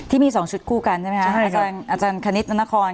ที่มี๒ชุดคู่กันใช่มั้ยครับอาจารย์คณิตนทนคร